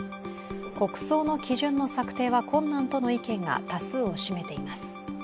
国葬の基準の策定は困難との意見が多数を占めています。